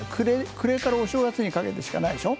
暮れからお正月にかけてしかないでしょう？